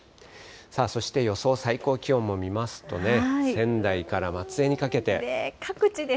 さあ、そして予想最高気温も見ますとね、仙台から松江にかけて。